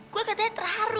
gue katanya terharu